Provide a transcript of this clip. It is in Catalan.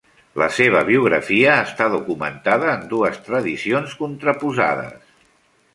La seva biografia està documentada en dues tradicions contraposades.